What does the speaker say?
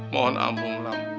mohon ampun lam